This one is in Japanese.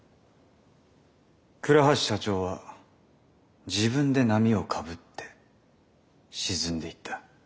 倉橋社長は自分で波をかぶって沈んでいった。